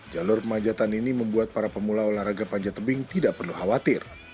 jalur pemajatan ini membuat para pemula olahraga panjat tebing tidak perlu khawatir